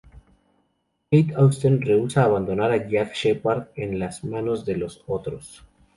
Kate Austen rehúsa abandonar a Jack Shephard en las manos de "los Otros".